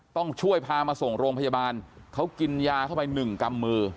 ต้องช่วยพามาส่งโรงพยาบาลเขากินยาเข้าไปหนึ่งกำมือ